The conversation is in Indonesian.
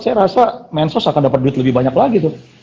saya rasa main sos akan dapet duit lebih banyak lagi tuh